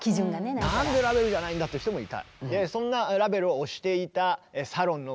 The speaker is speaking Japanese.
「なんでラヴェルじゃないんだ⁉」って人もいた。